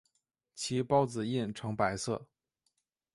其孢子印呈白色。